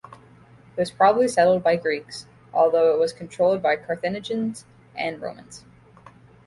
It was probably settled by Greeks, although it was controlled by Carthaginians and Romans.